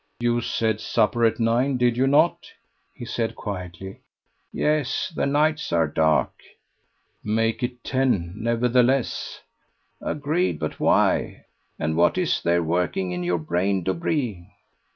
"You said supper at nine, did you not?" he said quietly. "Yes the nights are dark." "Make it ten, nevertheless." "Agreed, but why? and what is there working in your brain, Dobree?"